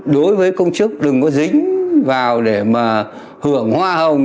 đối với công chức đừng có dính vào để mà hưởng hoa hồng